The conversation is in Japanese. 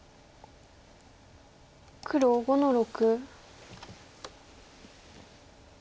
黒５の六。